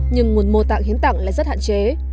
nhưng nguồn mô tạng hiến tặng lại rất hạn chế